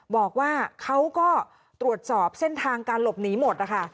บอกว่าเขาก็ตรวจสอบเส้นทางการหลบหนีหมดนะคะ